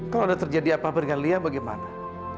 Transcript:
kalau ada terjadi apa apa dengan lia bagaimana